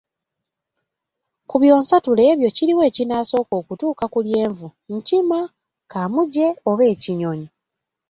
"Ku byonsatule ebyo kiriwa ekinaasooka okutuuka ku lyenvu, nkima, kaamuje oba ekinyonyi?"